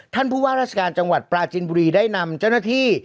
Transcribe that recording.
ท่านผู้ว่าราชการจังหวัดปราจินบุรีได้นำเจ้าหน้าที่